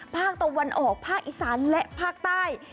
ภาคตะวันออกภาคอีสานและภาคใต้